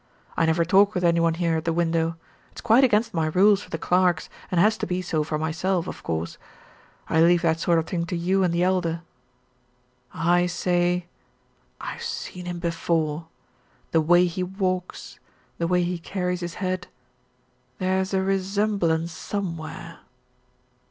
I never talk with any one here at the window. It's quite against my rules for the clerks, and has to be so for myself, of course. I leave that sort of thing to you and the Elder." "I say I've seen him before the way he walks the way he carries his head there's a resemblance somewhere."